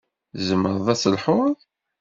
Tzemreḍ ad telḥuḍ?